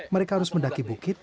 mereka harus mendaki bukit